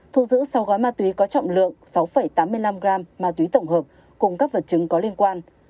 thu giữ sáu gói ma túy có trọng lượng sáu tám mươi năm gram ma túy tổng hợp cùng các vật chứng có liên quan